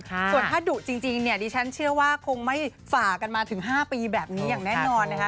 ส่วนถ้าดุจริงเนี่ยดิฉันเชื่อว่าคงไม่ฝ่ากันมาถึง๕ปีแบบนี้อย่างแน่นอนนะคะ